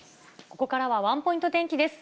ここからはワンポイント天気です。